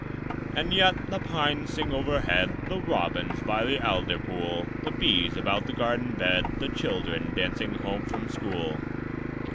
And yet the pines sing overhead, The robins by the alder pool, The bees about the garden bed, The children dancing home from school.